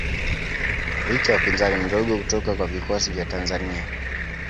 Licha ya upinzani mdogo kutoka kwa vikosi vya Tanzania